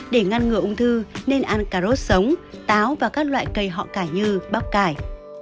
để ngăn ngừa ung thư nên ăn cà rốt sống táo và các loại cây họ cải như bắp cải